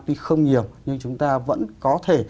tuy không nhiều nhưng chúng ta vẫn có thể